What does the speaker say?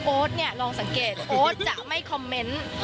เนี่ยลองสังเกตโอ๊ตจะไม่คอมเมนต์